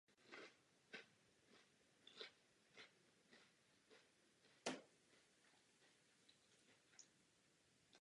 Čtyřlístek se také dočkal filmového zpracování.